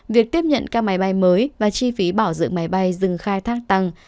việc tiếp nhận các máy bay mới và chi phí bảo dưỡng máy bay dừng khai thác tăng